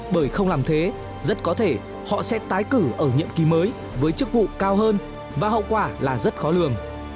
bởi không làm thế rất có thể họ sẽ tái cử ở nhiệm kỳ mới với chức vụ cao hơn và hậu quả là rất khó lường